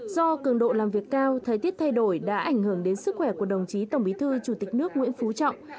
do cường độ làm việc cao thời tiết thay đổi đã ảnh hưởng đến sức khỏe của đồng chí tổng bí thư chủ tịch nước nguyễn phú trọng